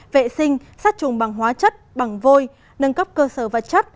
vệ sinh sát trùng bằng hóa chất bằng vôi nâng cấp cơ sở vật chất